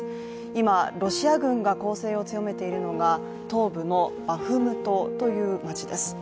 今、ロシア軍が攻勢を強めているのが東部のバフムトという街です。